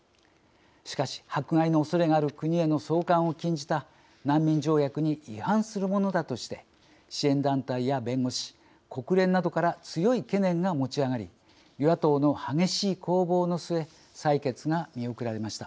しかし迫害のおそれがある国への送還を禁じた難民条約に違反するものだとして支援団体や弁護士国連などから強い懸念が持ち上がり与野党の激しい攻防の末採決が見送られました。